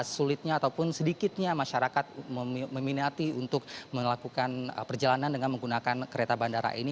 sulitnya ataupun sedikitnya masyarakat meminati untuk melakukan perjalanan dengan menggunakan kereta bandara ini